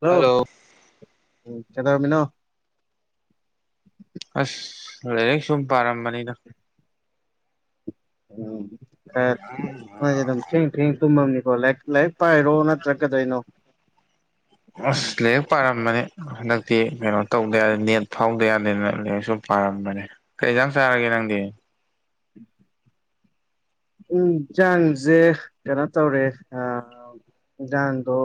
hello ꯎꯝ ꯀꯩꯗꯧꯔꯝꯃꯤꯅꯣ ꯑꯁ ꯂꯥꯏꯔꯤꯛ ꯁꯨꯝ ꯄꯥꯔꯝꯕꯅꯤꯗ ꯎꯝ ꯈꯔ [unintelligible] ꯑꯗꯨꯝ [unintelligible] ꯊꯦꯡ ꯇꯨꯝꯃꯝꯅꯤꯀꯣ ꯂꯥꯏꯔꯤꯛ ꯂꯥꯏꯔꯤꯛ ꯄꯥꯏꯔꯣ ꯅꯠꯇ꯭ꯔꯒ ꯀꯩꯗꯧꯏꯅꯣ ꯑꯁ ꯂꯥꯏꯔꯤꯛ ꯄꯥꯔꯝꯕꯅꯤ ꯍꯟꯗꯛꯇꯤ ꯀꯩꯅꯣ ꯇꯧꯗ ꯌꯥꯔꯦ ꯅꯦꯠ ꯐꯥꯎꯗ ꯌꯥ [unintelligible] ꯂꯥꯏꯔꯤꯛꯁꯨꯨꯝ ꯄꯥꯔꯝꯕꯅꯦ ꯀꯩ ꯏꯟꯖꯥꯡ ꯆꯥꯔꯒꯦ ꯅꯪꯗꯤ [inaudible] ꯏꯟꯖꯥꯡꯖꯦ ꯀꯩꯅꯣ ꯇꯧꯔꯦ ꯑ ꯏꯟꯖꯥꯡꯗꯣ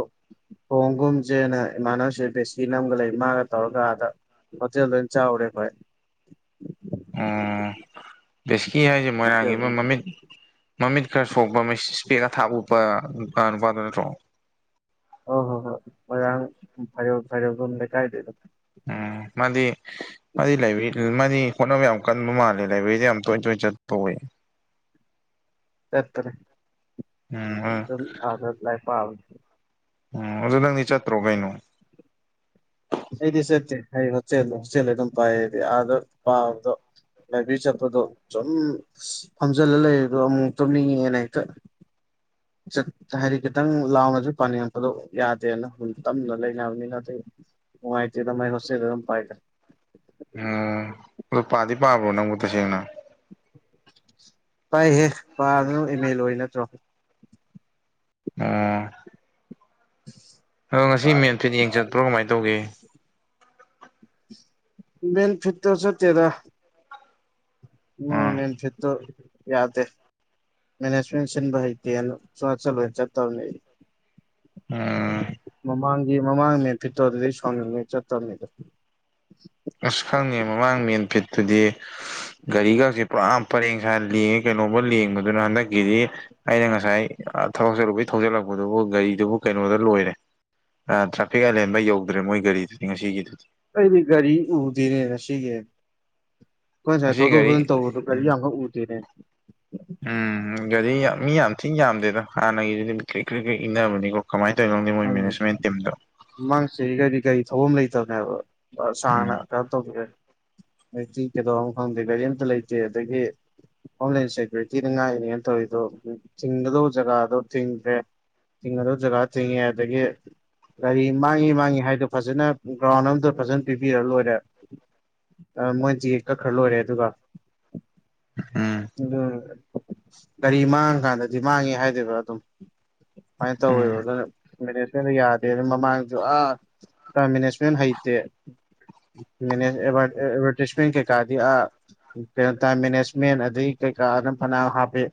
ꯊꯣꯡꯒꯨꯝꯁꯦꯅ ꯏꯃꯥꯟꯅꯕꯁꯦ ꯕꯦꯁꯤꯅ ꯑꯃꯒ ꯂꯩ ꯃꯥꯒ ꯇꯧꯔꯒ ꯑꯥꯗ ꯍꯣꯇꯦꯜꯗ ꯑꯣꯏꯟ ꯆꯥꯔꯨꯔꯦ ꯑꯩꯈꯣꯏ ꯑꯣ ꯕꯦꯁꯀꯤ ꯍꯥꯏꯖꯦ ꯃꯣꯏꯔꯥꯡꯒꯤ ꯑꯃ ꯍꯣꯇꯦꯜꯗ ꯑꯣꯏꯅ ꯃꯃꯤꯠ ꯃꯃꯤꯠ ꯈꯔ ꯁꯣꯛꯄ ꯏꯁꯄꯦꯛ ꯑꯊꯥꯕ ꯎꯞꯄꯥ ꯅꯨꯄꯥꯗꯨ ꯅꯠꯇ꯭ꯔꯣ ꯑꯣ ꯍꯣ ꯍꯣꯏ ꯃꯣꯔꯥꯡ [unintelligible] ꯂꯩꯀꯥꯏꯗꯩꯗꯣ ꯎꯝ ꯃꯥꯗꯤ ꯃꯥꯗꯤ ꯂꯥꯏꯕꯦꯔꯤ ꯃꯥꯗꯤ ꯍꯣꯠꯅꯕ ꯌꯥꯝ ꯀꯟꯕ ꯃꯥꯜꯂꯦ ꯂꯥꯏꯕ꯭ꯔꯦꯔꯤꯗ ꯌꯥꯝ ꯇꯣꯏ ꯇꯣꯏ ꯆꯠꯄ ꯎꯏ ꯆꯠꯄꯅꯦ ꯎꯝ ꯎꯝ ꯑꯗꯨꯝ ꯑꯥꯗ ꯂꯥꯏꯔꯤꯛ ꯄꯥꯕꯅꯦ ꯎꯝ ꯑꯗꯨ ꯅꯪꯗꯤ ꯆꯠꯇ꯭ꯔꯣ ꯀꯩꯅꯣ ꯑꯩꯗꯤ ꯆꯠꯇꯦ ꯑꯩ ꯍꯣꯁꯇꯦꯜꯗꯣ ꯍꯣꯁꯇꯦꯜ ꯑꯗꯨꯝ ꯄꯥꯏ ꯑꯩꯗꯤ ꯑꯥꯗ ꯄꯥꯕꯗꯣ ꯂꯥꯏꯕ꯭ꯔꯤ ꯆꯠꯄꯗꯣ ꯁꯨꯝ ꯐꯝꯖꯤꯜꯂ ꯂꯩꯕꯗꯣ ꯑꯃꯨꯛ ꯇꯨꯝꯅꯤꯡꯉꯛꯑꯦꯅ ꯍꯦꯛꯇ ꯍꯥꯏꯗꯤ ꯈꯤꯇꯪ ꯂꯥꯎꯅꯖꯨ ꯄꯥꯅꯤꯡꯉꯛꯄꯗꯣ ꯌꯥꯗꯦꯅ ꯇꯞꯅ ꯂꯩꯅꯕꯅꯤꯅ ꯑꯇꯩ ꯅꯨꯡꯉꯥꯏꯇꯦꯗ ꯃꯥꯏ ꯍꯣꯁꯇꯦꯜꯗ ꯑꯗꯨꯝ ꯄꯥꯏꯗ ꯎꯝ ꯑꯗꯨ ꯄꯥꯗꯤ ꯄꯥꯕ꯭ꯔꯣ ꯅꯪꯕꯨ ꯇꯁꯦꯡꯅ ꯄꯥꯏꯍꯦ ꯄꯥꯗꯅꯕꯨ ꯑꯦꯃꯦ ꯂꯣꯏꯔꯤ ꯅꯠꯇ꯭ꯔꯣ ꯎꯝ ꯑꯗꯣ ꯉꯁꯤ ꯄꯥꯏ ꯃꯦꯟ ꯐꯤꯠ ꯌꯦꯡ ꯆꯠꯄ꯭ꯔꯣ ꯀꯃꯥꯏ ꯇꯧꯒꯦ ꯃꯦꯟ ꯐꯤꯠꯀꯥ ꯆꯠꯇꯦꯗ ꯃꯣꯏ ꯎꯝ ꯃꯦꯟ ꯐꯤꯠꯇꯣ ꯌꯥꯗꯦ ꯃꯦꯅꯦꯖꯃꯦꯟ ꯁꯤꯟꯕ ꯍꯩꯇꯦꯅ ꯆꯠ ꯆꯠꯂꯣꯏꯅ ꯆꯠꯇꯕꯅꯤ ꯑꯩ ꯎꯝ ꯃꯃꯥꯡꯒꯤ ꯃꯃꯥꯡ ꯃꯦꯟ ꯐꯤꯠꯇꯣ ꯑꯗꯨꯗꯩ ꯁꯥꯎꯅꯤꯡꯗꯅ ꯆꯠꯇꯕꯅꯤꯗ ꯑꯁ ꯈꯪꯗꯦ ꯃꯃꯥꯡ ꯃꯦꯟ ꯐꯤꯠꯇꯨꯗꯤ ꯒꯥꯔꯤꯒꯖꯦ ꯄꯨꯔꯥ ꯄꯔꯦꯡ ꯁꯥ ꯂꯦꯡꯉꯦ ꯀꯩꯅꯣꯕꯧ ꯂꯦꯡꯕꯗꯨꯅ ꯍꯟꯗꯛꯀꯤꯗꯤ ꯑꯩꯅ ꯉꯁꯥꯏ ꯊꯕꯛ ꯆꯠꯂꯨꯕꯒꯤ ꯊꯧꯖꯜꯂꯛꯄꯗꯨꯕꯨ ꯒꯥꯔꯤꯗꯨꯕꯨ ꯀꯩꯅꯣꯗ ꯂꯣꯏꯔꯦ ꯑ ꯇ꯭ꯔꯥꯐꯤꯛ ꯑꯥꯏꯂꯦꯟ ꯕꯧ ꯌꯧꯗ꯭ꯔꯦ ꯃꯣꯏ ꯒꯥꯔꯤꯗꯨꯗꯤ ꯉꯁꯤꯒꯤꯗꯨꯗꯤ ꯑꯩꯗꯤ ꯒꯥꯔꯤ ꯎꯗꯦꯅꯦ ꯉꯁꯤꯒꯤ ꯑꯩꯈꯣꯏ ꯉꯁꯥꯏ ꯉꯁꯤ ꯊꯧꯗꯣꯛ ꯒꯥꯔꯤ ꯊꯧꯖꯤꯟ ꯇꯧꯕꯗꯨ ꯒꯥꯔꯤ ꯎꯝ ꯌꯥꯝ ꯀꯟ ꯎꯗꯦꯅꯦ ꯎꯝ ꯒꯥꯔꯤ ꯃꯤ ꯌꯥꯝ ꯊꯤ ꯌꯥꯝꯗꯦꯗ ꯍꯥꯟꯅꯒꯤꯗꯨꯗꯤ ꯀꯔꯤꯛ ꯀꯔꯤꯛ ꯀꯔꯤꯛ ꯏꯟꯅꯕꯅꯤꯀꯣ ꯀꯃꯥꯏ ꯇꯧꯔꯤꯅꯣ ꯈꯪꯗꯦ ꯃꯣꯏ ꯎꯝ ꯃꯦꯅꯦꯖꯃꯦꯟ ꯇꯤꯝꯗꯣ ꯃꯃꯥꯡ ꯆꯍꯤꯒꯗꯤ ꯒꯥꯔꯤ ꯊꯧꯕꯝ ꯂꯩꯇꯕꯅꯦꯕ ꯍꯥꯏꯕ ꯁꯥꯡꯅ ꯎꯝ ꯀꯩꯅꯣ ꯇꯧ [unintelligible] [unintelligible] ꯆꯤꯛ ꯀꯩꯗꯧꯔꯕꯅꯣ ꯈꯪꯗꯦ ꯒꯥꯔꯤ ꯑꯝꯇ ꯂꯩꯇꯦ ꯑꯗꯒꯤ ꯍꯣꯝꯂꯦꯟ ꯁꯦꯀ꯭ꯌꯨꯔꯤꯇꯤꯅ ꯉꯥꯛꯏꯅꯦꯅ ꯇꯧꯔꯤꯗꯣ ꯊꯤꯡꯒꯗꯧꯕ ꯖꯒꯥꯗꯣ ꯊꯤꯡꯗ꯭ꯔꯦ ꯊꯤꯡꯒꯗꯧ ꯖꯥꯒꯥ ꯊꯤꯡꯉꯦ ꯑꯗꯒꯤ ꯒꯥꯔꯤ ꯃꯥꯡꯉꯤ ꯃꯥꯡꯉꯤ ꯍꯥꯏꯗꯣ ꯐꯖꯅ ꯒ꯭ꯔꯥꯎꯟ ꯑꯝꯗ ꯐꯖꯅ ꯄꯤꯕꯤꯔ ꯂꯣꯏꯔꯦ ꯑ ꯃꯣꯏ ꯇꯤꯛꯀꯦꯠ ꯀꯛꯈ꯭ꯔ ꯂꯣꯏꯔꯦ ꯑꯗꯨꯒ ꯎꯝ ꯑꯗꯨ ꯒꯥꯔꯤ ꯃꯥꯡꯉꯀꯥꯟꯗꯗꯤ ꯃꯥꯡꯉꯦ ꯍꯥꯏꯗꯣꯏꯕ ꯑꯗꯨꯝ ꯃꯥꯏ ꯎꯝ ꯇꯧꯋꯦꯕ ꯑꯗꯨꯅ ꯃꯦꯅꯦꯖꯃꯦꯟꯗ ꯌꯥꯗꯦ ꯑꯗꯨ ꯃꯃꯥꯡꯁꯨ ꯑꯥ ꯃꯦꯅꯦꯖꯃꯦꯟ ꯍꯩꯇꯦ ꯃ ꯑꯦꯚꯔꯇꯤꯁꯃꯦꯟ ꯀꯀꯥꯗ ꯀꯩꯅꯣ ꯇꯥꯏ ꯃꯦꯅꯦꯖꯃꯦꯟ ꯑꯗꯗꯒꯤ ꯀꯩꯀꯥ ꯑꯗꯨꯝ ꯐꯅ ꯍꯥꯞꯄ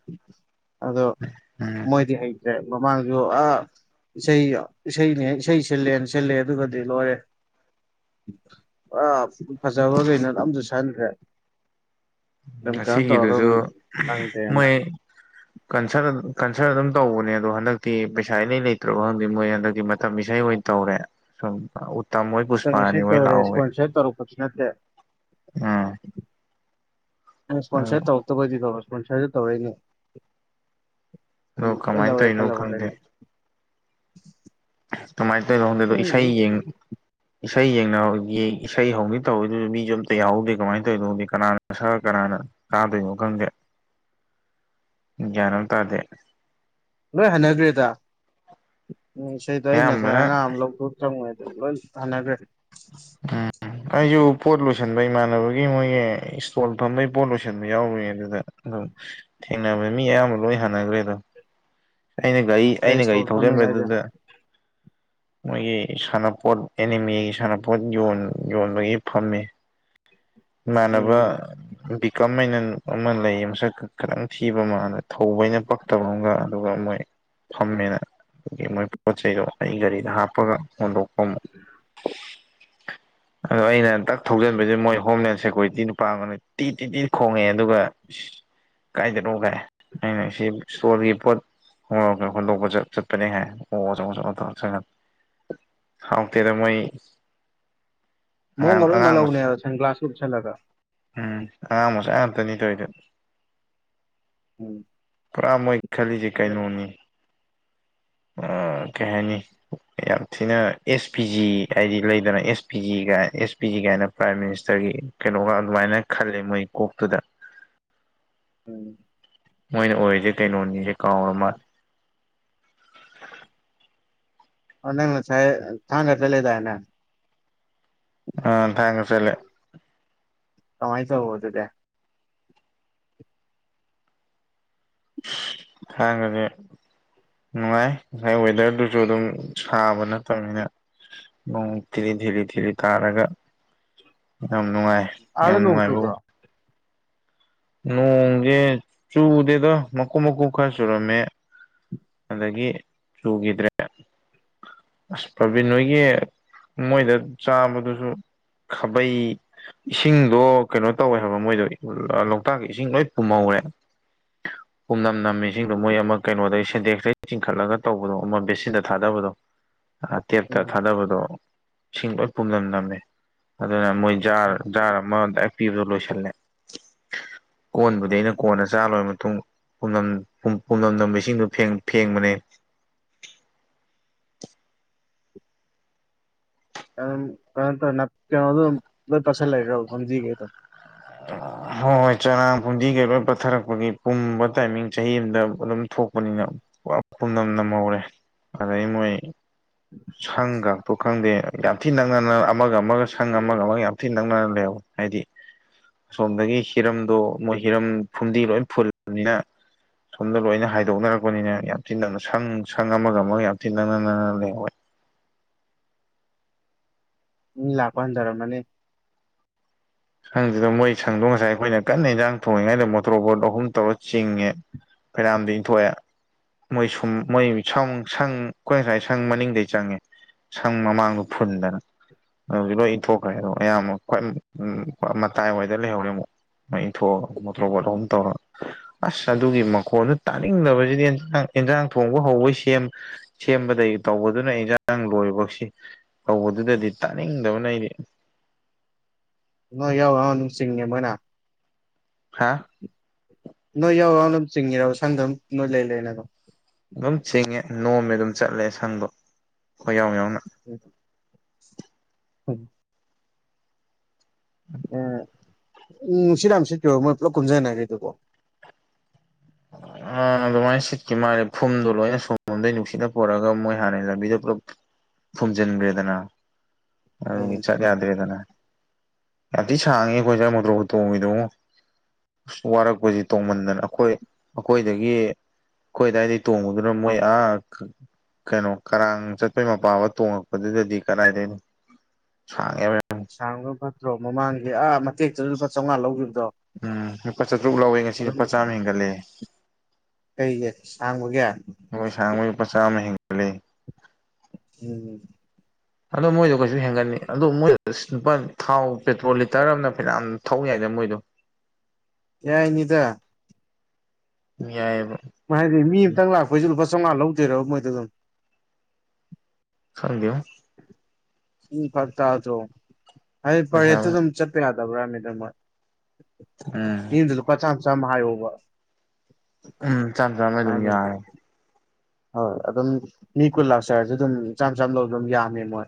ꯑꯗꯣ ꯎꯝ ꯃꯣꯏꯗꯤ ꯍꯩꯇ꯭ꯔꯦ ꯃꯃꯥꯡꯁꯨ ꯑꯥ ꯏꯁꯩꯅꯦ ꯏꯁꯩ ꯁꯤꯜꯂꯦꯅ ꯁꯤꯜꯂꯦ ꯑꯗꯨꯒꯗꯤ ꯂꯣꯏꯔꯦ ꯑ ꯐꯖꯕꯈꯩꯅꯣ ꯑꯝꯇ ꯁꯟꯈ꯭ꯔꯦ ꯏꯝ ꯀ ꯇꯧ ꯑꯗꯨꯝ ꯉꯁꯤꯒꯤꯗꯨꯁꯨ ꯂꯪꯒꯦꯅ ꯀꯟꯁꯔ ꯀꯟꯁꯔ ꯑꯗꯨꯝ ꯇꯧꯕꯅꯦ ꯑꯗꯣ ꯍꯟꯗꯛꯇꯤ ꯄꯩꯁꯥ ꯏꯩ ꯂꯩꯇ꯭ꯔꯕꯣ ꯈꯪꯗꯦ ꯃꯣꯏ ꯍꯟꯗꯛꯇꯤ ꯃꯇꯝ ꯏꯁꯩ ꯑꯣꯏꯅ ꯇꯧꯔꯦ ꯁꯨꯝ ꯎꯠꯇꯝꯍꯣꯏ ꯄꯨꯁꯄꯥꯅꯤ ꯍꯣꯏ ꯂꯥꯛꯍꯧꯋꯦ ꯐꯁꯅꯠꯇ ꯑ ꯏꯁꯄꯣꯟꯁꯔ ꯇꯧꯔꯛꯇꯕꯗꯤꯀꯣ ꯏꯁꯄꯣꯟꯁꯔꯗꯨ ꯇꯧꯔꯛꯏꯅꯦ ꯑꯗꯣ ꯀꯃꯥꯏꯅ ꯎꯝꯜꯂꯧꯦ ꯇꯧꯔꯤꯅꯣ ꯈꯜꯂꯕ ꯈꯪꯗꯦ ꯀꯩꯅꯣ ꯇꯃꯥꯏ ꯇꯔꯣꯗꯦꯗꯣ ꯎꯝ ꯏꯁꯩꯥ ꯌꯦꯡ ꯏꯁꯩ ꯌꯦꯡꯅꯒꯤ ꯏꯁꯩ ꯍꯧꯅꯤ ꯇꯧꯋꯗꯨꯁꯨ ꯃꯤꯁꯨ ꯑꯝꯇ ꯌꯥꯎꯍꯧꯗꯦ ꯀꯃꯥꯏꯅ ꯇꯧꯔꯤꯗꯧꯦ ꯀꯅꯥꯅ ꯁꯔ ꯀꯅꯥꯅ ꯀꯥꯗꯣꯏꯅꯣ ꯈꯪꯒꯦ [unintelligible] ꯌꯥꯅ ꯇꯥꯗꯦ ꯂꯣꯏ ꯍꯅꯈ꯭ꯔꯦꯗ ꯎ ꯏꯁꯩꯗꯣ ꯑꯩ ꯉꯁꯥꯏ ꯑꯌꯥꯝꯕꯅ ꯑꯉꯥꯡ ꯑꯃ ꯂꯧꯗ ꯆꯉꯗ ꯂꯣꯏ ꯊꯥꯟꯅꯈ꯭ꯔꯦ ꯎꯝ ꯑꯩꯁꯨ ꯄꯣꯠ ꯂꯣꯏꯁꯟꯕ ꯏꯃꯥꯟꯅꯕꯒꯤ ꯃꯣꯏꯒꯤ ꯏꯁꯇꯣꯜ ꯐꯝꯕꯩ ꯄꯣꯠ ꯂꯣꯏꯁꯟꯕ ꯌꯥꯎꯔꯨꯏꯅꯦ ꯑꯗꯨꯗ ꯑꯣ ꯊꯦꯡꯅꯕ ꯃꯤ ꯑꯌꯥꯝꯕ ꯂꯣꯏ ꯍꯥꯟꯅꯈ꯭ꯔꯦꯗ ꯑꯩꯅ ꯒꯥꯔꯤ ꯀꯩ ꯑꯩꯅ ꯏꯁꯇꯣꯜ ꯒꯥꯔꯤ ꯐꯝꯃꯦꯅꯣ ꯍꯥꯏꯁꯦ ꯊꯧꯖꯟꯕꯗꯨꯗ [unintelligible] ꯃꯣꯏꯒꯤ ꯁꯥꯟꯅꯄꯣꯠ ꯑꯦꯅꯤꯃꯦꯒꯤ ꯁꯥꯟꯅꯄꯣꯠ ꯌ ꯌꯣꯟꯕꯒꯤ ꯐꯝꯃꯤ [unintelligible] ꯃꯅꯕ ꯎꯝ ꯕꯤꯀꯝ ꯍꯥꯏꯅ ꯑꯃ ꯂꯩ ꯃꯁꯛ ꯈꯤꯇꯪ ꯊꯤꯕ ꯃꯥꯂ ꯊꯧꯕ ꯍꯥꯏꯩꯅ ꯇꯧꯝꯒ ꯑꯗꯨꯒ ꯃꯣꯏ ꯐꯝꯃꯦꯅ ꯑꯗꯨꯒꯤ ꯃꯣꯏ ꯄꯣꯠ ꯆꯩꯗꯣ ꯑꯩ ꯒꯥꯔꯤꯗ ꯍꯥꯞꯄ ꯄꯒ ꯍꯣꯟꯗꯣꯛꯄ ꯑꯃꯨꯛ ꯑꯣ ꯑꯩꯅ ꯗꯛ ꯊꯧꯖꯤꯟꯕꯁꯦ ꯃꯣꯏ ꯍꯣꯝꯂꯦꯟ ꯁꯦꯀꯌꯨꯔꯤꯇꯤ ꯅꯨꯄꯥꯒꯅ ꯇꯤ ꯇꯤ ꯇꯤ ꯈꯣꯡꯉꯛꯦ ꯑꯗꯨꯒ ꯀꯥꯏꯊꯔꯛꯎꯒꯥꯏ ꯑꯩꯅ ꯁꯤ ꯏꯁꯇꯣꯜꯒꯤ ꯄꯣꯠ ꯍꯣꯏ ꯑꯣꯀꯦ ꯑꯩꯈꯣꯏ ꯂꯧꯕ ꯆꯠꯄꯅꯦ ꯍꯥꯏ ꯑꯣ ꯑꯆꯧ ꯑꯆꯧ ꯑꯧ ꯆꯪꯅꯤ ꯍꯥꯎ ꯇꯔ ꯃꯣꯏ ꯑꯉꯥꯡ ꯃꯑꯣꯡꯒ ꯂꯣꯏ ꯑꯉꯥꯡ ꯃꯆꯥ ꯃꯥꯜꯍꯧꯅꯦ ꯁꯟ ꯒ꯭ꯂꯥꯁꯀ ꯎꯨꯞꯁꯜꯂꯒ ꯎꯝ ꯑꯉꯥꯡ ꯃꯁꯨ ꯉꯥꯛꯇꯅꯤꯗꯧꯗꯅ ꯎꯝ ꯄꯨꯔꯥ ꯃꯣꯏ ꯈꯜꯂꯤꯁꯦ ꯀꯩꯅꯣꯅꯤ ꯀꯩ ꯍꯥꯏꯅꯤ ꯌꯥꯝ ꯊꯤꯅ ꯑꯦꯁ ꯄꯤ ꯖꯤ ꯍꯥꯏꯗꯤ ꯂꯩꯗꯅ S P ꯖꯤꯒꯥꯏ S P G ꯀꯥꯏꯅ ꯄ꯭ꯔꯥꯏꯝ ꯃꯤꯅꯤꯁꯇꯔꯒꯤ ꯀꯩꯅꯣꯒ ꯑꯗꯨꯃꯥꯏꯅ ꯈꯜꯂꯤꯦ ꯃꯣꯏ ꯀꯣꯛꯇꯨꯗ ꯎꯝ ꯃꯣꯏꯅ ꯑꯣꯏꯔꯤꯁꯦ ꯀꯩꯅꯣꯅꯤꯁꯦ ꯀꯥꯎꯔꯃ ꯅꯪ ꯅ ꯁꯥꯏꯌꯦ ꯊꯥꯡꯦꯠ ꯂꯩꯗꯅꯦ ꯑ ꯊꯥꯡ ꯆꯂꯦ ꯇꯃꯥꯏ ꯆ ꯑꯗꯨ ꯇ ꯍꯗꯤ ꯅꯨꯡꯉꯥꯏ ꯉꯁꯥꯏ ꯋꯦꯗꯔꯗꯨꯁꯨ ꯑꯗꯨꯝ ꯁꯥꯕ ꯅꯠꯇꯕꯅꯤꯅ ꯅꯣꯡ ꯊꯤ ꯊꯤꯔꯤ ꯊꯤꯔꯤ ꯀꯥꯔꯒ ꯌꯥꯝ ꯅꯨꯡꯉꯥꯏ ꯑꯗꯥ ꯌꯥꯝ ꯅꯣꯡ ꯆꯨꯕ꯭ꯔꯣ ꯅꯨꯡꯉꯥꯏꯕ ꯅꯣꯡꯁꯦ ꯆꯨꯗꯦꯗꯣ ꯃꯀꯨ ꯃꯀꯨ ꯈꯔ ꯁꯨꯔꯝꯃꯦ ꯑꯗꯒꯤ ꯆꯨꯈꯤꯗ꯭ꯔꯦ ꯑꯁ ꯄ꯭ꯔꯥꯕꯤꯟ ꯅꯣꯏꯒꯤ ꯃꯣꯏꯗ ꯆꯥꯕꯗꯨꯁꯨ ꯈꯥꯕꯩ ꯏꯁꯤꯡꯗꯣ ꯀꯩꯅꯣ ꯇꯧꯋꯦ ꯍꯥꯏꯕ ꯃꯣꯏꯗꯣ ꯂꫭꯛꯇꯥꯛꯀꯤ ꯏꯁꯤꯡ ꯂꯣꯏ ꯄꯨꯝꯍꯧꯔꯦ ꯄꯨꯝꯅꯝꯅꯝꯃꯤ ꯏꯁꯤꯡꯗꯣ ꯎꯝ ꯃꯣꯏ ꯑꯃ ꯀꯩꯅꯣꯗꯩ ꯁꯦꯟꯗꯦꯛꯛꯇꯩ ꯆꯤꯡꯈꯠꯂꯒ ꯇꯧꯕꯗꯣ ꯑꯃ ꯕꯦꯁꯤꯟꯗ ꯊꯥꯗꯕꯗꯣ ꯇꯦꯞꯇ ꯎꯝ ꯊꯥꯗꯕꯗꯣ ꯏꯁꯤꯡ ꯂꯣꯏ ꯄꯨꯝꯅꯝ ꯅꯝꯃꯦ ꯑꯗꯨꯅ ꯃꯣꯏ ꯖꯥꯔ ꯖꯥꯔ ꯑꯃ ꯗꯥꯏꯔꯦꯛ ꯄꯤꯕꯗꯣ ꯂꯣꯏꯁꯤꯜꯂꯦ ꯀꯣꯟꯕꯨꯗꯤ ꯑꯩꯅ ꯀꯣꯟꯅ ꯆꯥ ꯂꯣꯏꯔ ꯃꯇꯨꯡ ꯄꯝꯅꯝ ꯄꯝꯅꯝ ꯅꯝꯕ ꯏꯁꯤꯡꯗꯨ ꯐꯦꯡꯕꯅꯦ [unintelligible] ꯀꯩꯅꯣꯗꫭ ꯑꯗꯨ ꯂꫭꯏ ꯇꯁꯜ ꯂꯩꯔ ꯐꯨꯝꯗꯤ ꯈꯩꯏꯗꫭ ꯍꯣꯏ ꯍꯣꯏ ꯆꯔꯥꯡ ꯐꯨꯝꯗꯤꯒꯩ ꯂꯣꯏ ꯄꯠꯊꯔꯛꯄꯒꯤ ꯄꯨꯝꯕ ꯇꯥꯏꯃꯤꯡ ꯆꯍꯤ ꯑꯃꯗ ꯑꯗꯨꯝ ꯊꯣꯛ ꯅꯤꯅ ꯄꯨꯝꯅꯝ ꯅꯝꯍꯧꯔꯦ ꯑꯗꯥꯒꯤ ꯃꯣꯏ ꯁꯪꯒꯥꯗꫭ ꯈꯪꯗꯦ ꯌꯥꯝ ꯊꯤꯅ ꯅꯪꯅꯅ ꯑꯃꯒ ꯑꯃꯒ ꯁꯪ ꯑꯃꯒ ꯑꯃꯒ ꯌꯥꯝ ꯊꯤꯅ ꯅꯛꯅꯅ ꯂꯩ ꯍꯧꯏ ꯍꯥꯏꯗꯤ ꯑꯁꯣꯝꯗꯒꯤ ꯍꯤꯔꯝꯗꯣ ꯃꯣꯏ ꯍꯤꯔꯝ ꯐꯨꯝꯗꯤ ꯂꯣꯏ ꯐꯨꯜꯂꯕꯅꯤꯅ ꯁꯣꯝꯗ ꯂꯣꯏꯅ ꯍꯥꯏꯗꯣꯛꯅꯔꯛꯄꯅꯤꯅ ꯌꯥꯝ ꯊꯤꯅ ꯅꯪꯅ ꯁꯪ ꯁꯪ ꯑꯃꯒ ꯑꯃꯒ ꯌꯥꯝ ꯊꯤꯅ ꯅꯪꯅ ꯅꯪꯅ ꯂꯩꯍꯣꯏ ꯃꯤ ꯂꯥꯛꯄ ꯍꯟꯊꯔꯝ ꯃꯥꯅꯤ ꯈꯪꯗꯦꯗ ꯃꯣꯏ ꯁꯪꯗꯣ ꯉꯁꯥꯏ ꯑꯩꯈꯣꯏꯅ ꯀꯟꯅ ꯏꯟꯖꯥꯡ ꯊꯣꯡꯉꯤꯉꯩꯗ ꯃꯣꯇꯣꯔ ꯕꯣꯔꯠ ꯑꯍꯨꯝ ꯇꯧꯔ ꯆꯤꯡꯉꯦ ꯐꯅꯌꯥꯝꯗꯤ ꯏꯪꯊꯣꯛꯑꯦ ꯃꯣꯏ ꯁꯨꯝ ꯃꯣꯏ ꯁꯪ ꯁꯪ ꯑꯩꯈꯣꯏ ꯉꯁꯥꯏ ꯁꯪ ꯃꯅꯤꯡꯗꯩ ꯆꯪꯉꯦ ꯁꯪ ꯃꯃꯥꯡꯗꫭ ꯐꯨꯟꯗꯅ ꯑꯗꯨꯁꯨ ꯂꯣꯏ ꯏꯟꯊꯣꯛꯈ꯭ꯔꯦ ꯑꯗꯣ ꯑꯌꯥꯝꯕ ꯈ꯭ꯋꯥꯏ ꯎꯝ ꯍꯣꯏ ꯃꯇꯥꯏꯋꯥꯗ ꯂꯩꯍꯧꯔꯦ ꯑꯃꯨꯛ ꯏꯟꯊꯣꯛꯑꯒ ꯃꫭꯇꫭꯔ ꯕꯣꯔꯠ ꯑꯍꯨꯝ ꯇꯧꯔ ꯑꯁ ꯑꯗꯨꯒꯤ ꯃꯈꯣꯟꯗꯨ ꯇꯥꯅꯤꯡꯗꯕꯁꯤꯗꯤꯟ ꯑꯦꯟꯖꯥꯡ ꯊꯣꯡꯕ ꯍꯧꯕꯩ ꯁꯦꯝ ꯁꯦꯝꯕꯗꯒꯤ ꯇꯧꯕꯗꯨꯅ ꯏꯟꯖꯥꯡ ꯂꯣꯏꯕꯁꯤ ꯇꯧꯕꯗꯨꯗꯗꯤ ꯇꯥꯅꯤꯡꯗꯕꯅ ꯑꯩꯗꯤ ꯅꯣꯏ ꯌꯥꯎ ꯌꯥꯎꯅ ꯆꯤꯡꯉꯦ ꯃꯣꯏꯅ ꯍꯥꯥ ꯅꯣꯏ ꯌꯥꯎ ꯌꯥꯎꯅ ꯑꯗꯨꯝ ꯆꯤꯡꯉꯤꯔ ꯁꯪꯗꯝ ꯅꯣꯏ ꯂꯩ ꯂꯩꯅ ꯑꯗꯨꯝ ꯑꯗꯨꯝ ꯆꯤꯡꯉꯦ ꯅꯣꯝꯃꯦ ꯑꯗꯨꯝ ꯆꯠꯂꯦ ꯁꯪꯗꯣ ꯈꯣꯏꯌꯥꯎ ꯌꯥꯎꯅ [unintelligible] [unintelligible] ꯎ ꯎꯝ ꯅꯨꯡꯁꯤꯠ ꯌꯥꯝ ꯁꯤꯠꯈꯩꯕꯔ ꯃꯣꯏ ꯄꯨꯂꯞ ꯀꯨꯝꯁꯤꯟꯅꯈꯔꯤꯗꯨꯕꯨ [unintelligible] ꯑꯥ ꯑꯗꯨꯃꯥꯏꯅ ꯁꯤꯠꯀꯤ ꯃꯥꯜꯂꯦ ꯐꯨꯝꯗꯣ ꯂꯣꯏꯅ ꯁꯨꯝꯂꫭꯝꯗꯩ ꯅꯨꯡꯁꯤꯠꯅ ꯄꯨꯔꯛꯑꯒ ꯃꯣꯏ ꯍꯥꯟꯅ ꯂꯝꯕꯤꯗꯣ ꯄꯨꯂꯞ ꯐꯨꯝꯖꯤꯟꯈ꯭ꯔꯦꯗꯅ ꯑꯗꯨꯒꯤ ꯎꯝ ꯆꯠꯌꯥ ꯗꯦꯗꯅ ꯌꯥꯝ ꯊꯤ ꯁꯥꯡꯉꯦ ꯑꯩꯈꯣꯏꯁ ꯃꫭꯇꫭꯔ ꯕꫭꯔꯠ ꯇꯣꯡꯉꯤꯗꫭꯉꫭ ꯑꯁ ꯋꯥꯔꯛꯄꯁꯤ ꯇꯣꯡꯃꯟꯗꯅ ꯑꯩꯈꯣꯏ ꯑꯩꯈꯣꯏꯗꯒꯤ ꯑꯩꯈꯣꯏ ꯑꯗꯨꯗꯥꯏꯗꯒꯤ ꯇꯣꯡꯕꯗꯨꯅ ꯃꯣꯏ ꯑꯥ ꯀꯩꯅꯣ ꯀꯔꯥꯡ ꯆꯠꯄꯩ ꯃꯄꯥ ꯐꯥꯎ ꯇꯣꯡꯉꯛꯄꯗꯨꯗꯗꯤ ꯀꯗꯥꯏꯗꯤꯏꯅꯣ ꯁꯥꯡꯉꯦꯕ ꯌꯥꯝ ꯁꯥꯡꯕ ꯐꯠꯇ꯭ꯔꯣ ꯃꯃꯥꯡꯒꯤ ꯑꯥ ꯃꯇꯦꯛꯇ ꯂꯨꯄꯥ ꯆꯥꯝꯃꯉꯥ ꯂꯧꯈꯤꯕꯗꫭ ꯎꯝ ꯂꯨꯄꯥ ꯆꯥꯇ꯭ꯔꯨꯛ ꯂꯧꯋꯦ ꯉꯁꯤ ꯑꯗꯨꯝ ꯂꯨꯄꯥ ꯆꯥꯝꯃ ꯍꯦꯟꯒꯠꯂꯦ ꯀꯩꯒꯤ ꯁꯥꯡꯕꯒꯤ ꯃꯣꯏ ꯁꯥꯡꯕꯩ ꯂꯨꯄꯥ ꯆꯥꯝꯃ ꯍꯦꯟꯒꯠꯂꯦ ꯎꯝ ꯑꯗꯣ ꯃꯣꯏꯗꯣ ꯀꯩꯁꯨ ꯍꯦꯟꯒꯠꯅꯤ ꯑꯗꯣ ꯃꯣꯏꯗꯣ ꯂꯨꯄꯥ ꯊꯥꯎ ꯄꯦꯇ꯭ꯔꯣꯜ ꯂꯤꯇꯔ ꯑꯃꯅ ꯐꯅꯌꯥꯝ ꯊꯧ ꯌꯥꯏꯗ ꯃꯣꯏꯗꯣ ꯌꯥꯏꯅꯤꯗ ꯌꯥꯏꯕ ꯃꯥ ꯍꯥꯏꯗꯣ ꯃꯤ ꯑꯃꯇꯪ ꯂꯥꯛꯄꯩꯁꯨ ꯂꯨꯄꯥ ꯆꯧꯉꯥ ꯂꯧꯗꯣꯏꯔꯕ ꯃꯣꯏꯗꫭ ꯑꯗꯨꯝ ꯈꯪꯗꯦꯉꯣ ꯎꯝ ꯐꯔꯛ ꯇꯥꯗ꯭ꯔꯣ ꯍꯥꯏꯗꯤ ꯄꯩꯁꯥ ꯄꯔꯦꯠꯇꯨ ꯑꯗꯨꯝ ꯆꯠꯄ ꯌꯥꯗꯕ꯭ꯔꯥ ꯍꯥꯏꯃꯤꯗꯥ ꯃꯣꯏ ꯎꯝ ꯃꯤ ꯑꯝꯗ ꯂꯨꯄꯥ ꯆꯥꯝ ꯆꯥꯝ ꯍꯥꯏꯌꯣꯕ ꯎꯝ ꯆꯥꯝ ꯆꯥꯝꯃ ꯑꯗꯨꯝ ꯌꯥꯔꯝ ꯍꯣꯏ ꯑꯗꯨꯝ ꯃꯤ ꯀꯨꯟ ꯂꯥꯛꯆꯔꯁꯨ ꯑꯗꯨꯝ ꯆꯥꯝ ꯆꯥꯝ ꯂꯧꯗꯨꯝ ꯌꯥꯝꯃꯦ ꯃꯣꯏ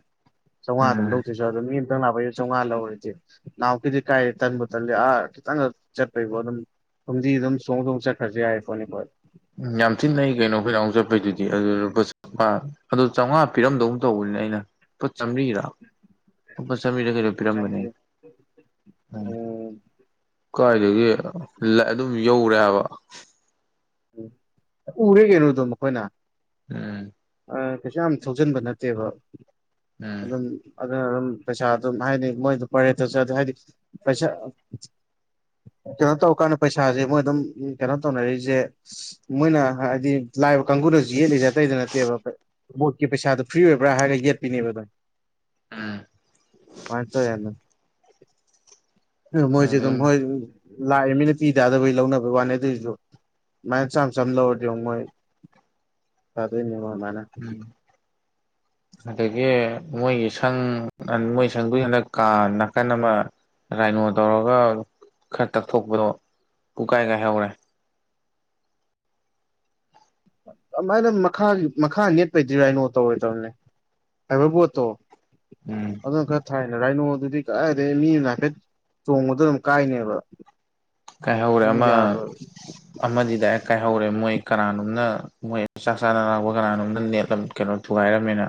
ꯆꯧꯉꯥ ꯑꯗꯨꯝ ꯎꯝ ꯂꯧꯗꯣꯏꯖꯥꯂꯣ ꯃꯤ ꯑꯃꯇꯪ ꯂꯥꯛꯄꯩꯁꯨ ꯆꯧꯉꯥ ꯂꯧꯔꯗꯤ ꯅꯍꯥꯟꯃꯨꯛꯀꯤꯗꯤ ꯀꯥꯏ ꯇꯟꯕꯨ ꯇꯜꯂꯤ ꯑꯥ ꯈꯤꯇꯪ ꯈꯛ ꯆꯠꯄꯩꯕꯨ ꯑꯗꯨꯝ ꯐꯨꯝꯗꯤ ꯑꯗꯨꯝ ꯆꯣꯡ ꯆꯣꯡ ꯆꯠꯈ꯭ꯔꯖꯨ ꯌꯥꯏ ꯄꯣꯅꯤ ꯑꯩꯈꯣꯏ ꯎꯝ ꯌꯥꯝ ꯊꯤ ꯅꯛꯏ ꯀꯩꯅꯣ ꯑꯩꯈꯣꯏ ꯀꯥꯡꯒꯨ ꯆꯠꯄꯩꯗꯨꯗꯤ ꯑꯗꯨꯗ ꯕꯁ ꯑꯥ ꯑꯗꯨ ꯆꯧꯉꯥ ꯄꯤꯔꯝꯗꯧ ꯇꯧꯕꯅꯤꯅꯦ ꯑꯩꯅ ꯂꯨꯄꯥ ꯆꯥꯝꯔꯤꯔ ꯂꯨꯄꯥ ꯆꯝꯔꯤꯔ ꯀꯩꯅꯣ ꯄꯤꯔꯝꯕꯅꯦ ꯑ ꯎꯝ ꯀꯥꯏꯗꯒꯤ ꯂꯛ ꯑꯗꯨꯝ ꯌꯧꯔꯦ ꯍꯥꯏꯕ ꯎꯔꯦ ꯀꯩꯅꯣ ꯑꯗꯨꯝ ꯑꯩꯈꯣꯏꯅ ꯎꯝ ꯑꯥ ꯀꯩꯁꯨꯥ ꯌꯥꯝ ꯊꯧꯖꯤꯟꯕ ꯅꯠꯇꯦꯕ ꯎꯝ ꯑꯗꯨꯝ ꯑꯗꯨꯅ ꯑꯗꯨꯝ ꯄꯩꯁꯥ ꯑꯗꯨꯝ ꯍꯥꯏꯗꯤ ꯃꯣꯏꯗ ꯄꯔꯦꯠꯇ ꯆꯠ ꯑꯗꯨ ꯍꯥꯏꯗꯤ ꯄꯩꯁꯥ ꯀꯩꯅꯣ ꯇꯧꯀꯥꯟꯗ ꯄꯩꯁꯥꯖꯦ ꯃꯣꯏ ꯑꯗꯨꯝ ꯀꯩꯅꯣ ꯇꯧꯅꯔꯤꯖꯦ ꯃꯣꯏꯅ ꯍꯥꯏꯗꯤ ꯂꯥꯏꯕ ꯀꯥꯡꯕꯨꯗꯖꯨ ꯌꯦꯠꯂꯤꯖꯦ ꯑꯇꯩꯗ ꯅꯠꯇꯦꯕ ꯄ ꯕꯣꯠꯀꯤ ꯄꯩꯁꯥꯗꯨ ꯐ꯭ꯔꯤ ꯑꯣꯏꯕ꯭ꯔꯥ ꯍꯥꯏꯔ ꯌꯦꯠꯄꯤꯅꯦꯕ ꯑꯗꯨꯝ ꯎꯝ ꯄꯥꯔꯠ ꯇꯣ ꯌꯥꯗꯝ ꯎ ꯃꯣꯏꯁꯦ ꯑꯗꯨꯝ ꯃꯣꯏ ꯂꯥꯛꯏ ꯃꯤꯅ ꯄꯤ ꯇꯥꯗꯕꯩ ꯂꯧꯅꯕꯩ ꯋꯥꯅꯤ ꯑꯗꯨꯏꯖꯨ ꯃꯥꯏꯅ ꯆꯥꯝ ꯆꯥꯝ ꯂꯧꯔꯗꯤ ꯉꯣ ꯃꯣꯏ ꯐꯥꯗꯣꯏꯅꯦ ꯃꯣꯏ ꯑꯗꯨꯃꯥꯏꯅ ꯎꯝ [inaudible] ꯑꯗꯒꯤ ꯃꯣꯏꯒꯤ ꯁꯪ ꯃꯣꯏ ꯁꯪꯗꯨ ꯍꯟꯗꯛ ꯀꯥ ꯅꯥꯀꯟ ꯑꯃ ꯔꯥꯏꯅꯣ ꯇꯧꯔꯒ ꯈꯔ ꯇꯞꯊꯣꯛꯄꯗꯣ ꯄꯨꯀꯥꯏ ꯀꯥꯏꯍꯧꯔꯦ ꯑꯗꯨꯃꯥꯏꯅ ꯃꯈꯥꯒꯤ ꯃꯈꯥ ꯅꯦꯠꯄꯩꯗꯤ ꯔꯥꯏꯅꯣ ꯇꯧꯔꯣꯏꯗꯕꯅꯦ ꯐꯥꯏꯕꯔ ꯕꯣꯔꯗ ꯇꯣ ꯎꯝ ꯑꯗꯨꯅ ꯈꯔ ꯊꯥꯏꯅ ꯔꯥꯏꯅꯣ ꯗꯨꯗꯤ ꯀꯥꯏꯗꯒꯤ ꯃꯤꯅ ꯍꯥꯏꯐꯦꯠ ꯆꯣꯡꯕꯗ ꯑꯗꯨꯝ ꯀꯥꯏꯅꯦꯕ ꯀꯥꯏꯍꯧꯔꯦ ꯑꯗꯨꯝ ꯑꯃ ꯌꯥꯔꯣꯏ ꯑꯃꯗꯤ ꯗꯥꯏꯛ ꯀꯥꯏꯍꯧꯔꯦ ꯃꯣꯏ ꯀꯅꯥꯅꯣꯝꯅ ꯃꯣꯏ ꯆꯥꯛ ꯆꯥꯅꯔꯥꯛꯄ ꯀꯅꯥꯅꯣꯝꯅ ꯅꯦꯠꯂꯝ ꯀꯩꯅꯣ ꯊꯨꯒꯥꯏꯔꯝꯃꯦꯅ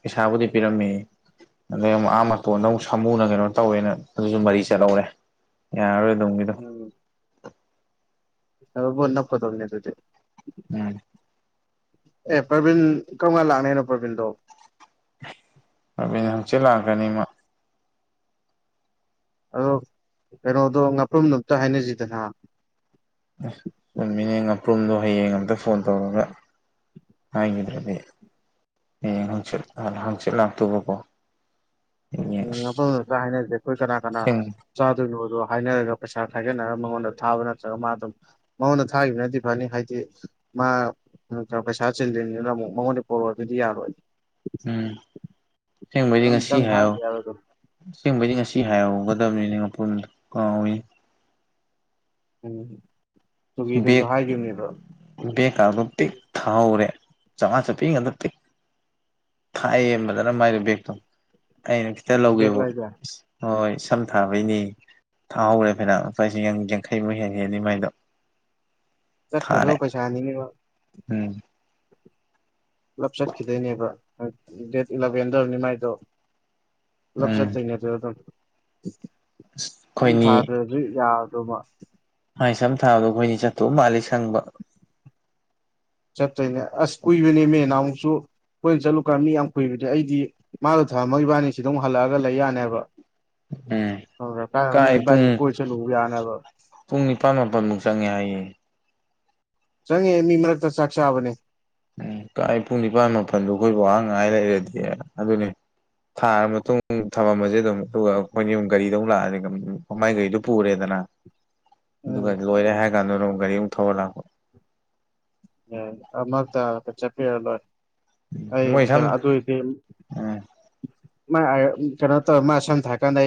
ꯄꯩꯁꯥꯕꯨꯗꯤ ꯄꯤꯔꯝꯃꯦꯌꯦ ꯑꯗꯩ ꯑꯃꯨꯛ ꯑꯥ ꯃꯇꯣꯟꯗ ꯑꯃꯨꯛ ꯁꯥꯃꯨꯅ ꯀꯩꯅꯣ ꯇꯧꯋꯦꯅ ꯑꯗꯨꯁꯨ ꯃꯔꯤ ꯆꯠꯂꯧꯔꯦ ꯌꯥꯔꯔꯣꯏ ꯗꯨꯝ ꯒꯤꯗꯣ ꯔꯕꯔ ꯕꯣꯠ ꯅꯞꯀꯗꯕꯅꯦ ꯑꯗꯨꯗꯤ ꯎꯝ ꯑꯦ ꯄ꯭ꯔꯕꯤꯟ ꯀꯔꯝꯀꯥꯟ ꯂꯥꯛꯅꯤ ꯍꯥꯏꯅꯣ ꯄ꯭ꯔꯕꯤꯟꯗꯣ ꯔꯕꯤꯟ ꯍꯪꯆꯤꯠ ꯂꯥꯛꯀꯅꯤ ꯃꯥ ꯑꯗꯣ ꯀꯩꯅꯣꯗꯣ ꯉꯥꯄ꯭ꯔꯨꯝꯗꯨ ꯑꯝꯇ ꯍꯥꯏꯅꯁꯤꯗꯅ ꯎꯝ ꯆꯨꯝ ꯃꯤꯅꯦ ꯉꯥꯄ꯭ꯔꯨꯝꯗꯣ ꯍꯌꯦꯡ ꯑꯝꯇ ꯐꯣꯟ ꯇꯧꯔꯒ ꯍꯥꯏꯒꯤꯗ꯭ꯔꯗꯤ ꯍꯌꯦꯡ ꯍꯪꯆꯤꯠ ꯑꯥ ꯍꯪꯆꯤꯠ ꯂꯥꯛꯇꯧꯕꯀꯣ ꯍꯌꯦꯡ ꯎꯝ ꯃꯐꯝ ꯑꯝꯇ ꯍꯥꯏꯅꯁꯦ ꯑꯩꯈꯣꯏ ꯀꯅꯥ ꯀꯅꯥ ꯁꯦꯡ ꯆꯥꯗꯣꯏꯅꯣꯗꯣ ꯍꯥꯏꯅꯔꯒ ꯄꯩꯁꯥ ꯈꯥꯏꯒꯠꯅꯔꯒ ꯃꯉꯣꯟꯗ ꯊꯥꯕ ꯅꯠꯇ꯭ꯔꯒ ꯃꯥ ꯑꯗꯨꯝ ꯃꯉꯣꯟꯗ ꯊꯥꯈꯤꯕꯅꯗꯤ ꯐꯅꯤ ꯍꯥꯏꯗꯤ ꯃꯥ ꯎꯝ ꯊ ꯄꯩꯁꯥ ꯆꯤꯜꯂꯤꯝꯅꯤꯅ ꯑꯃꯨꯛ ꯃꯉꯣꯟꯗꯩ ꯄꯣꯔꯣꯑꯣ ꯗꯨꯗꯤ ꯌꯥꯔꯣꯏ ꯎꯝ ꯁꯦꯡꯕꯩꯗꯤ ꯉꯁꯤ ꯑꯗꯨꯝꯇꯪ ꯍꯥꯏꯌꯑꯣ ꯍꯥꯏꯗ ꯌꯥꯔꯣꯏꯗꯣ ꯑꯁꯦꯡꯕꯩꯗꯤ ꯉꯁꯤ ꯍꯥꯏꯍꯧꯒꯗꯕꯅꯤꯅꯦ ꯉꯄꯨꯝꯗꯣ ꯀꯥꯎꯏꯅꯦ ꯎꯝ ꯇꯨꯒꯤꯗꯖꯨ ꯍꯥꯏꯒꯤꯝꯅꯦꯕ ꯕꯦꯀꯥꯗꯣ ꯄꯤꯛ ꯊꯥꯎꯔꯦ ꯆꯧꯉꯥ ꯆꯞꯄꯤ ꯉꯥꯛꯇ ꯄꯤꯛ ꯊꯥꯏꯌꯦ ꯃꯖꯅ ꯃꯥꯏ ꯕꯦꯛꯇꯣ ꯑꯩꯅ ꯈꯤꯇ ꯕꯦꯛ ꯂꯧꯒꯦꯕꯨ ꯂꯥꯏꯖꯦ ꯏꯁ ꯍꯣꯏ ꯁꯝ ꯊꯥꯕꯩꯅꯦ ꯊꯥꯍꯧꯔꯦ ꯐꯩꯅꯥꯝ ꯂꯨꯄꯥꯂꯤꯁꯤꯡ ꯌꯥꯡꯈꯩꯃꯨꯛ ꯍꯦꯟ ꯍꯦꯅꯤ ꯃꯥꯏꯗꯣ ꯊꯥꯔꯦ ꯆꯠꯈꯔꯗꯧ ꯄꯩꯁꯥꯅꯤꯅꯦ ꯎꯝ ꯄꯨꯂꯞ ꯆꯠꯈꯤꯗꯣꯏꯅꯦꯕ ꯗꯦꯠ ꯏꯂꯚꯦꯟꯗ ꯑꯣꯏꯔꯝꯅꯤ ꯃꯥꯏꯗꯣ ꯄꯨꯂꯞ ꯎꯝ ꯆꯠꯇꯣꯏꯅꯦ [unintelligible] ꯑꯗꯨꯝ ꯑꯗꯨꯝ ꯑꯩꯈꯣꯏꯅꯤ ꯁꯥꯗ꯭ꯔꯁꯨ ꯌꯥꯕꯗꯣꯃꯥ ꯃꯥꯥꯏ ꯁꯝ ꯊꯥꯕꯗꯣ ꯑꯩꯈꯣꯏꯅꯤ ꯆꯠꯇꯧ ꯃꯥꯜꯂꯤ ꯁꯪꯕ ꯆꯠꯇꯣꯏꯅꯦ ꯑꯁ ꯀꯨꯏꯕꯅꯦꯃꯦ ꯅꯍꯥꯟꯃꯨꯛꯁꯨ ꯈꯣꯏꯅ ꯆꯠꯂꯨꯀꯥꯟ ꯃꯤ ꯌꯥꯝ ꯀꯨꯏꯕꯅꯦ ꯑꯩꯗꯤ ꯃꯥꯗꯣ ꯊꯝꯃꯒ ꯏꯕꯥꯅꯤ ꯁꯤꯗ ꯑꯃꯨꯛ ꯍꯜꯂꯛꯑꯒ ꯂꯩ ꯌꯥꯅꯦꯕ ꯎꯝ [unintelligible] ꯀꯥꯏꯗꯅꯣꯝ ꯀꯥꯏ ꯏꯕꯥꯅꯤ ꯄꯨꯡ ꯀꯣꯏ ꯆꯠꯂꯨꯕꯨ ꯌꯥꯅꯤꯕ ꯄꯨꯡ ꯅꯤꯄꯥꯟ ꯃꯥꯄꯜꯃꯨꯛ ꯆꯪꯉꯦ ꯍꯥꯏꯌꯦ ꯆꯪꯉꯦ ꯃꯤ ꯃꯔꯛꯇ ꯆꯥꯛ ꯆꯥꯕꯅꯦ ꯎꯝ ꯀꯥꯏ ꯄꯨꯡ ꯅꯤꯄꯥꯥꯟ ꯃꯥꯄꯟꯗꯣ ꯑꯩꯈꯣꯏꯕꯨ ꯑꯥ ꯉꯥꯏ ꯂꯩꯔꯗꯤ ꯑꯗꯨꯅꯤ ꯊꯥꯔ ꯃꯇꯨꯡ ꯊꯝꯃꯝꯃꯁꯦ ꯑꯗꯨꯝ ꯑꯗꯨꯒ ꯑꯩꯈꯣꯏꯅꯤꯃꯨꯛ ꯒꯥꯔꯤꯗ ꯑꯃꯨꯛ ꯂꯥꯛꯑꯁꯦ ꯃꯥꯏ ꯒꯥꯔꯤꯗꯨ ꯄꯨꯔꯦꯗꯅ ꯎꯝ ꯑꯗꯨꯒ ꯂꯣꯏꯔꯦ ꯍꯥꯏ ꯀꯥꯟꯗꯨꯗꯃꯨꯛ ꯒꯥꯔꯤ ꯑꯃꯨꯛ ꯊꯧꯔ ꯂꯥꯛꯄ ꯑꯦ ꯑꯃꯔꯛꯇ ꯆꯠꯄꯤꯔ ꯂꯣꯏ ꯑꯩ ꯃꯣꯏ ꯀ ꯁꯝꯅ ꯑꯗꯨꯏꯗꯤ ꯎꯝ ꯃꯥ ꯀꯩꯅꯣ ꯇ ꯃꯥ ꯁꯝ ꯊꯥꯏꯀꯥꯟꯗ ꯑꯩ